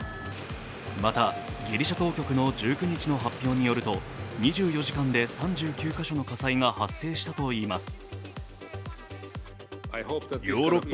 またギリシャ当局の１９日の発表によると２４時間で３９カ所の火災が発生したといいます。